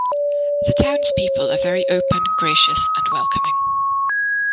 The townspeople are very open, gracious and welcoming.